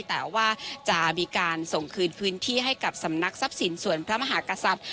แต่ว่าจะมีการส่งคืนพื้นที่ให้กับสำนักทรัพย์สินส่วนพระมหากษัตริย์